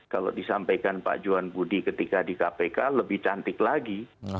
kalau disampaikan pak johan budi ketika di kpk lebih cantik lagi